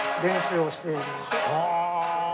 はあ！